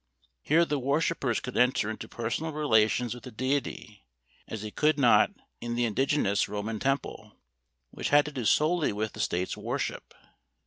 Here the worshippers could enter into personal relations with a deity as they could not in the indigenous Roman temple, which had to do solely with the State's worship.